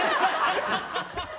ハハハハ！